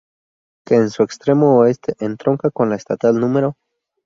Que en su extremo oeste entronca con la Estatal No.